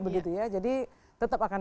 begitu ya jadi tetap akan